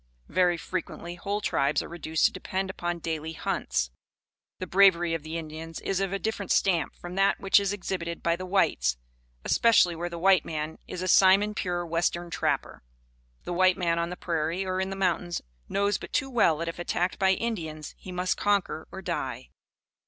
Very frequently whole tribes are reduced to depend upon daily hunts. The bravery of the Indians is of a different stamp from that which is exhibited by the whites, especially where the white man is a Simon pure western trapper. The white man on the prairie or in the mountains, knows but too well that if attacked by Indians he must conquer or die.